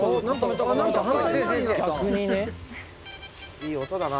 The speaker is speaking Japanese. いい音だな。